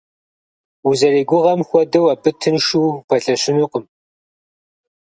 Узэригугъэм хуэдэу абы тыншу упэлъэщынукъым.